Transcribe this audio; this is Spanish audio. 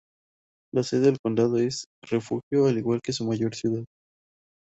La sede del condado es Refugio, al igual que su mayor ciudad.